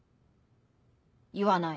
言わない。